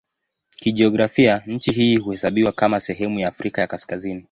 Kijiografia nchi hii huhesabiwa kama sehemu ya Afrika ya Kaskazini.